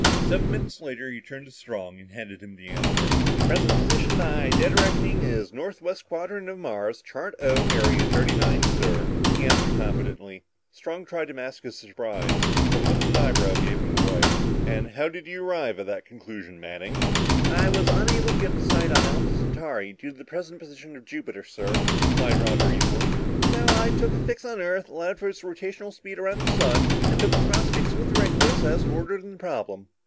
Seven minutes later he turned to Strong and handed him the answer. "Present position by dead reckoning is northwest quadrant of Mars, chart O, area thirty nine, sir," he announced confidently. [Illustration: "I was unable to get a sight on Alpha Centauri"] Strong tried to mask his surprise, but a lifted eyebrow gave him away. "And how did you arrive at this conclusion, Manning?" "I was unable to get a sight on Alpha Centauri due to the present position of Jupiter, sir," replied Roger easily. "So I took a fix on Earth, allowed for its rotational speed around the sun and took the cross fix with Regulus as ordered in the problem.